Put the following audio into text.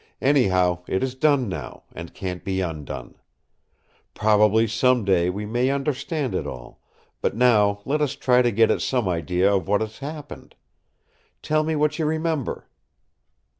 Anyhow, it is done now; and can't be undone. Probably some day we may understand it all; but now let us try to get at some idea of what has happened. Tell me what you remember!"